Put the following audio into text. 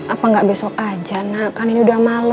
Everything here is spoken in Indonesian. apa gak besok aja na kan ini udah malem